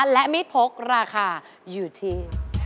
และมีดพกราคาอยู่ที่